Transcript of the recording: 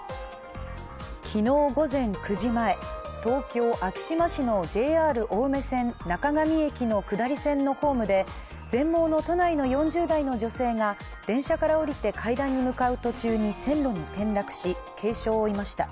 昨日午前９時前東京・昭島市のＪＲ青梅線・中神駅の下り線のホームで、全盲の都内の４０代の女性が電車から降りて階段に向かう途中に線路に転落し、軽傷を負いました。